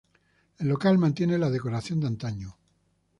El local mantiene la decoración de antaño.